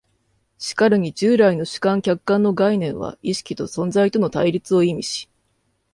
しかるに従来の主観・客観の概念は意識と存在との対立を意味し、